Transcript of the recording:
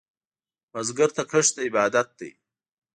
بزګر ته کښت عبادت دی